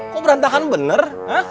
kok berantakan bener